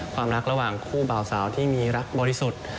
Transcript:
ความรักระหว่างคู่บ่าวสาวที่มีรักบริสุทธิ์